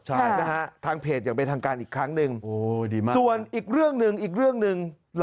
ใช่ทางเพจอย่างเป็นทางการอีกครั้งหนึ่ง